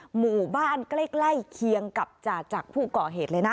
หมู่บ้านใกล้เคียงกับจ่าจักรผู้ก่อเหตุเลยนะ